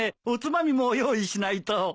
おつまみも用意しないと。